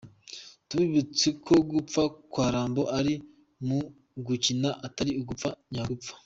Tubibutse ko gupfa kwa Rambo ari mu gukina atari ugupfa nya gupfa.